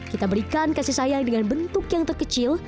kita berikan kasih sayang dengan bentuk yang terkecil